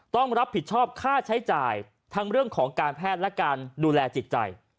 ต้องรับผิดชอบค่าใช้จ่ายทั้งเรื่องของการแพทย์และการดูแลจิตใจ